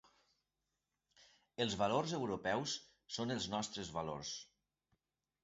Els valors europeus són els nostres valors.